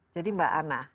jadi mbak anna